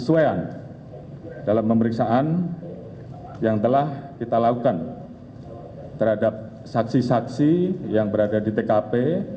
penyesuaian dalam pemeriksaan yang telah kita lakukan terhadap saksi saksi yang berada di tkp